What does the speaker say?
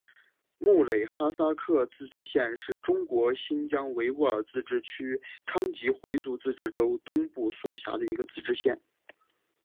木垒哈萨克自治县是中国新疆维吾尔自治区昌吉回族自治州东部所辖的一个自治县。